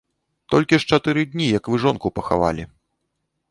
Толькі ж чатыры дні, як вы жонку пахавалі.